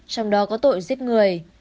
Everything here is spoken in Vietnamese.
trong đó có tội giết người